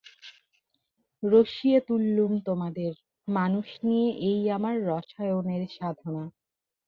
রসিয়ে তুললুম তোমাদের, মানুষ নিয়ে এই আমার রসায়নের সাধনা।